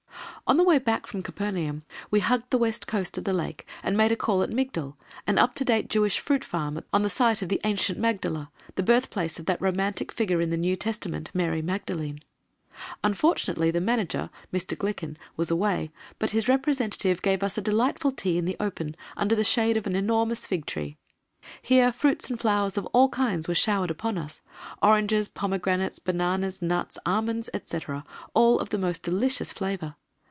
On the way back from Capernaum we hugged the west coast of the Lake and made a call at Migdal, an up to date Jewish fruit farm on the site of the ancient Magdala, the birthplace of that romantic figure in the New Testament, Mary Magdalene. Unfortunately, the manager, Mr. Glickin, was away, but his representative gave us a delightful tea in the open, under the shade of an enormous fig tree. Here fruits and flowers of all kinds were showered upon us, oranges, pomegranates, bananas, nuts, almonds, etc., all of the most delicious flavour.